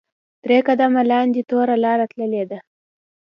درې قدمه لاندې توره لاره تللې ده.